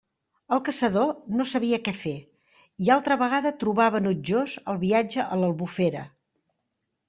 El caçador no sabia què fer, i altra vegada trobava enutjós el viatge a l'Albufera.